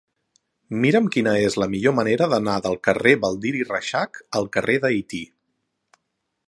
Mira'm quina és la millor manera d'anar del carrer de Baldiri Reixac al carrer d'Haití.